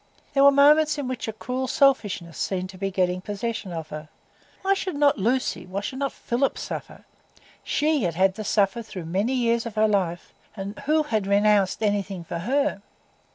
There were moments in which a cruel selfishness seemed to be getting possession of her; why should not Lucy, why should not Philip, suffer? She had had to suffer through many years of her life; and who had renounced anything for her?